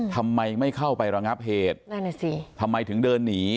ทำไมไม่เข้าไประงับเหตุทำไมถึงเดินหนี